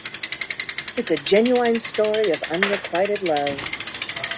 It's a genuine story of unrequited love.